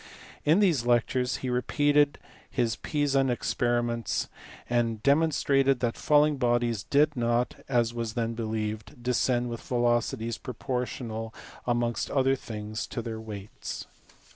In these lectures he repeated his Pisan experiments, and demonstrated that falling bodies did not (as was then believed) descend with velocities proportional amongst other things to their weights.